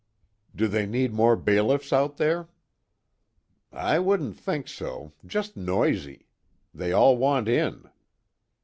"Do they need more bailiffs out there?" "I wouldn't think so just noisy. They all want in."